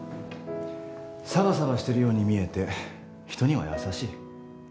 さばさばしてるように見えて人には優しい。